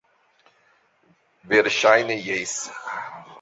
Verŝajne, jes...